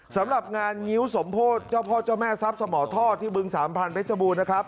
สำหรับงานงิ้วสมโพธิเจ้าพ่อเจ้าแม่ทรัพย์สมท่อที่บึงสามพันธุบรนะครับ